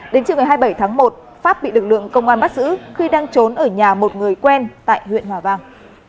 đến chiều ngày hai mươi bảy tháng một pháp bị lực lượng công an bắt giữ khi đang trốn ở nhà một người quen tại huyện hòa vang